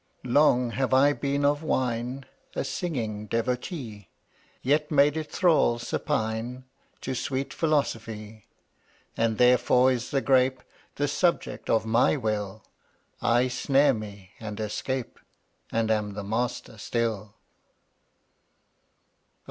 Long have I been of wine A singing devotee, Yet made it thrall supine To sweet Philosophy. And therefore is the Grape The subject of my will; I snare me and escape, And am the master still.